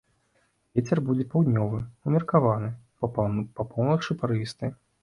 Вецер будзе паўднёвы ўмеркаваны, па поўначы парывісты.